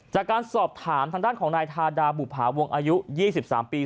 จากการสอบถามทางด้านของนายทาดาบุภาวงอายุ๒๓ปี